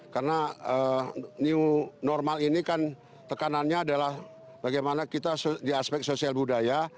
karena new normal ini kan tekanannya adalah bagaimana kita di aspek sosial budaya